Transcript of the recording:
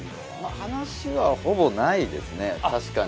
話はほぼないですね、確かに。